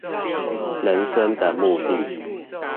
人生的目的